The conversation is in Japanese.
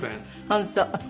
本当。